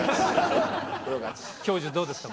教授どうですか？